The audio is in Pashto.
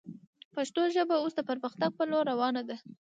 پښتو ژبه اوس د پرمختګ پر لور روانه ده